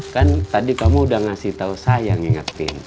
kan tadi kamu sudah memberitahu saya yang ingat